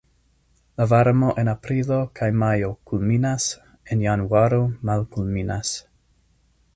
La varmo en aprilo kaj majo kulminas, en januaro malkulminas.